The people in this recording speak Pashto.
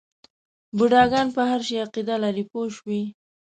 بوډاګان په هر شي عقیده لري پوه شوې!.